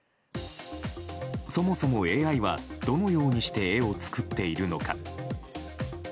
そもそもＡＩは、どのようにして絵を作っているのか。